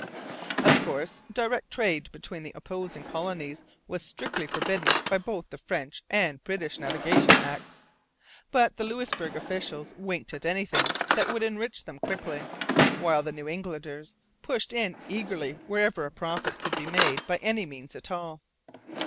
Of course, direct trade between the opposing colonies was strictly forbidden by both the French and British navigation acts. But the Louisbourg officials winked at anything that would enrich them quickly, while the New Englanders pushed in eagerly wherever a profit could be made by any means at all.